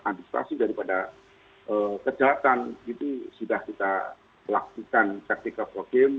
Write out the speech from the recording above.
antisipasi daripada kejahatan itu sudah kita lakukan taktik program